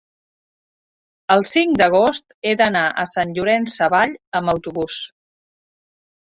el cinc d'agost he d'anar a Sant Llorenç Savall amb autobús.